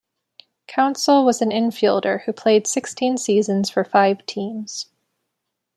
Counsell was an infielder who played sixteen seasons for five teams.